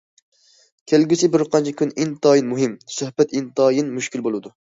كەلگۈسى بىر قانچە كۈن ئىنتايىن مۇھىم، سۆھبەت ئىنتايىن مۈشكۈل بولىدۇ.